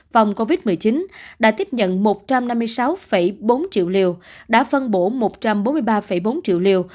vòng covid một mươi chín đã tiếp nhận một trăm năm mươi sáu bốn triệu liều đã phân bổ một trăm bốn mươi ba bốn triệu liều